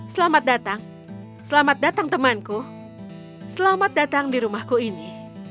selamat datang selamat datang temanku selamat datang di rumahku ini